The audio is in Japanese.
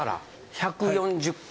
１４０貫。